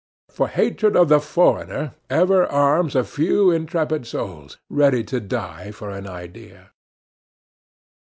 For hatred of the foreigner ever arms a few intrepid souls, ready to die for an idea.